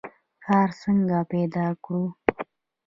کار څنګه پیدا کړو؟